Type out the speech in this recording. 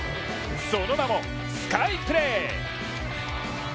その名も、スカイプレー。